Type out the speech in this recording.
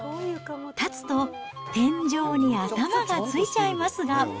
立つと、天井に頭がついちゃいますが。